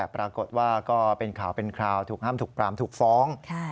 ปรากฏว่าก็เป็นข่าวเป็นคราวถูกห้ามถูกปรามถูกฟ้อง